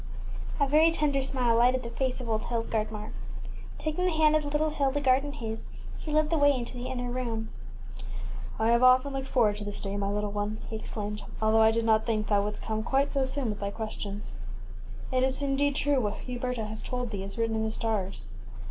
ŌĆÖ A very tender smile lighted the face of old Hildgardmar. Takingthe hand of the little Hilde garde in his, he led the way into the inner room. Hit Him ffllleatia# ŌĆśI have often looked for ward to this day, my little one, ŌĆÖ he exclaimed, * al though I did not think thou wouldst come quite so soon with thy ques tions. It is indeed true, what Huberta hast told thee is written in the stars.